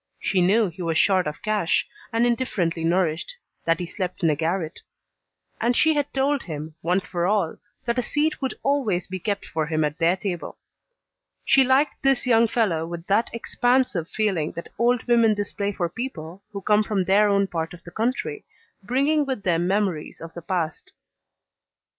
She knew he was short of cash, and indifferently nourished, that he slept in a garret; and she had told him, once for all, that a seat would always be kept for him at their table. She liked this young fellow with that expansive feeling that old women display for people who come from their own part of the country, bringing with them memories of the past.